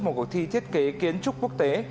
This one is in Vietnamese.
một cuộc thi thiết kế kiến trúc quốc tế